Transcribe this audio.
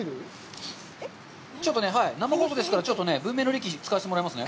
ちょっとね、生放送ですから、ちょっと文明の利器を使わせてもらいますね。